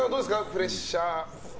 プレッシャー。